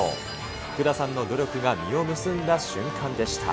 福田さんの努力が実を結んだ瞬間